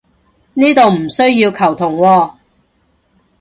呢度唔需要球僮喎